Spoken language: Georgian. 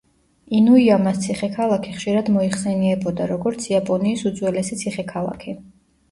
ინუიამას ციხე-ქალაქი ხშირად მოიხსენიებოდა, როგორც იაპონიის უძველესი ციხე-ქალაქი.